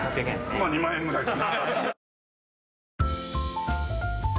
まあ２万円ぐらいだね。